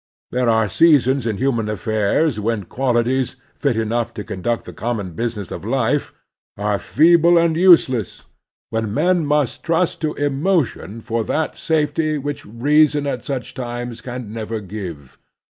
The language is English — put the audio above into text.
There are seasons in human affairs when qualities, fit enough to con duct the common business of life, are feeble and useless, when men must trust to emotion for that safety which reason at such times can never give.